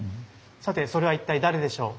さてそれは一体誰でしょう？